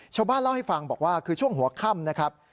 ชาวบ้านเล่าให้ฟังบอกว่าคือช่วงหัวค่ำนะครับ